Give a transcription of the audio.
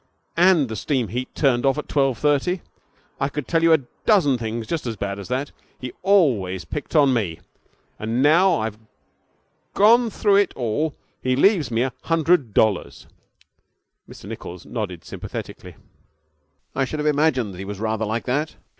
And the steam heat turned off at twelve thirty! I could tell you a dozen things just as bad as that. He always picked on me. And now I've gone through it all he leaves me a hundred dollars!' Mr Nichols nodded sympathetically. 'I should have imagined that he was rather like that.